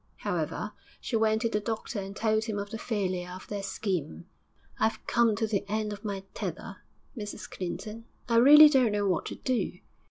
However, she went to the doctor and told him of the failure of their scheme. 'I've come to the end of my tether, Mrs Clinton; I really don't know what to do.